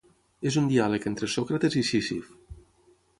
És un diàleg entre Sòcrates i Sísif.